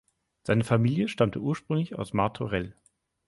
Seine Familie stammte ursprünglich aus Martorell.